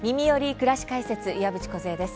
くらし解説」岩渕梢です。